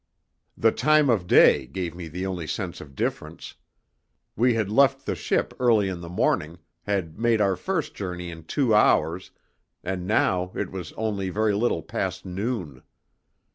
The time of day gave me the only sense of difference. We had left the ship early in the morning, had made our first journey in two hours, and now it was only very little past noon.